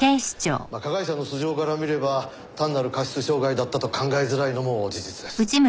まあ加害者の素性から見れば単なる過失傷害だったと考えづらいのも事実です。